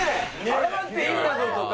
「抗っていいんだぞ」とか。